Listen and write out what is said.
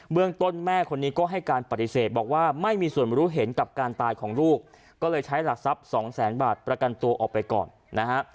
เมืองต้นแม่คนนี้ก็ให้การปฏิเสธบอกว่าไม่มีส่วนรู้เห็นกับการตายของลูกก็เลยใช้หลักทรัพย์สองแสนบาทประกันตัวออกไปก่อนนะฮะ